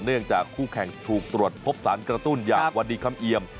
เนื่องจากคู่แข่งถูกตรวจพบสารกระตุ้นอย่างวันนี้คำเอียม